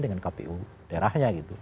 dengan kpu daerahnya gitu